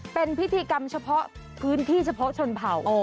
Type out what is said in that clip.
เป็นพิธีกรรมเฉพาะพื้นที่เฉพาะชนเผ่า